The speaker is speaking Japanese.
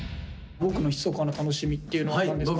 ボクのひそかな楽しみっていうのは何ですか？